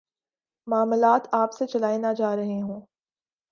معاملات آپ سے چلائے نہ جا رہے ہوں۔